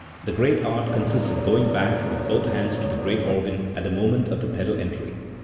The great art consists in going back with both hands to the great organ at the moment of the pedal entry.